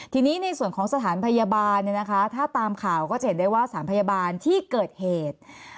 ทีนี้ในส่วนของสถานพยาบาลถ้าตามข่าวก็จะเห็นได้ว่าสถานพยาบาลที่เกิดเหตุ